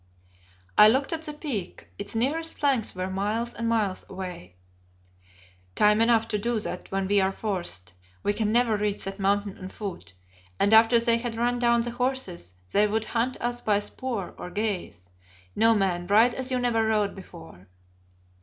I looked at the Peak. Its nearest flanks were miles and miles away. "Time enough to do that when we are forced. We can never reach that mountain on foot, and after they had run down the horses, they would hunt us by spoor or gaze. No, man, ride as you never rode before."